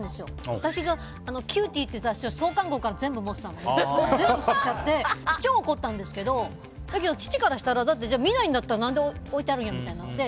私が「キューティー」っていう雑誌を創刊号から全部持ってたのに全部捨てちゃって超怒ったんですけどだけど父からしたら見ないんだったら何で置いてあるのってなって。